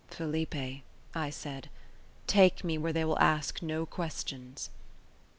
"Felipe," I said, "take me where they will ask no questions."